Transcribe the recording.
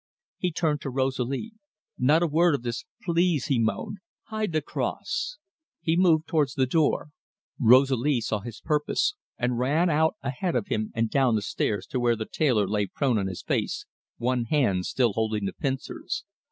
He turned to Rosalie. "Not a word of this, please," he moaned. "Hide the cross." He moved towards the door. Rosalie saw his purpose, and ran out ahead of him and down the stairs to where the tailor lay prone on his face, one hand still holding the pincers.